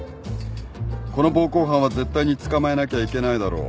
この暴行犯は絶対に捕まえなきゃいけないだろう？